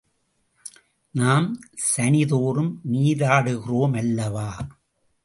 நாம் சனிதோறும் நீராடுகிறோமல்லவா?